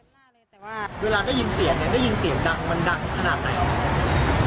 เวลาได้ยินเสียงเนี่ยได้ยินเสียงดังมันดังขนาดไหน